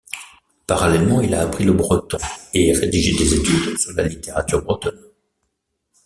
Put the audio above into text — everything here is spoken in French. Parallèlement, il a appris le breton, et rédigé des études sur la littérature bretonne.